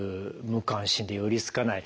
無関心で寄りつかない。